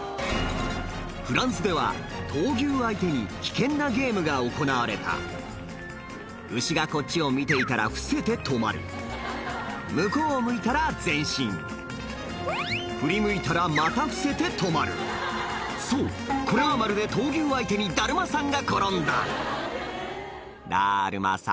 フランスでは闘牛相手に危険なゲームが行われた牛がこっちを見ていたら伏せて止まる向こうを向いたら前進振り向いたらまた伏せて止まるそうこれはまるで「だるまさんが転んだ！」